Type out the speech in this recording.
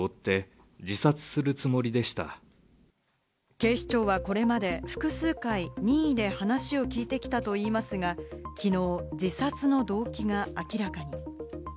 警視庁はこれまで複数回、任意で話を聞いてきたといいますが、きのう自殺の動機が明らかに。